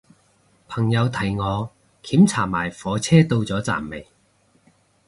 朋友提我檢查埋火車到咗站未